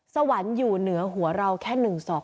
สวรรค์อยู่เหนือหัวเราแค่๑ศอก